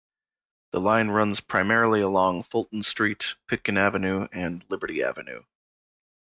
The line runs primarily along Fulton Street, Pitkin Avenue, and Liberty Avenue.